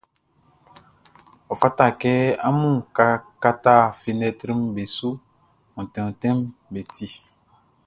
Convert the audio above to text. Ɔ fata kɛ amun kata fenɛtriʼm be su, onti ontinʼm be ti.